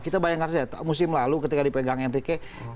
kita bayangkan saya musim lalu ketika dipegang enrique